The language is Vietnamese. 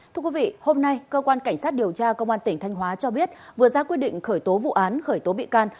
thưa quý vị hôm nay cơ quan cảnh sát điều tra công an tỉnh thanh hóa cho biết vừa ra quyết định khởi tố vụ án khởi tố bị can